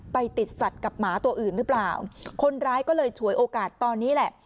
ไปติดสัตว์กับหมาตัวอื่นหรือเปล่าคนร้ายก็เลยฉวยโอกาสตอนนี้แหละ